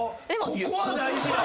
ここは大事やろ。